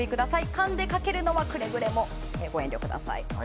勘でかけるのはくれぐれもご遠慮ください。